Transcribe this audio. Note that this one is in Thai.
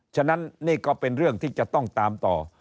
ฉะนั้นนี่ก็เป็นเรื่องที่จะต้องตามต่อ